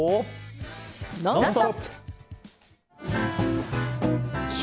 「ノンストップ！」。